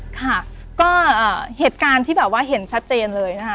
ค่ะก็เหตุการณ์ที่เห็นชัดเจนเลยนะฮะ